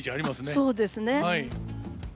そうですね。